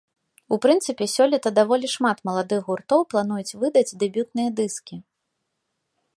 У прынцыпе, сёлета даволі шмат маладых гуртоў плануюць выдаць дэбютныя дыскі.